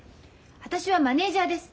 私はマネージャーです。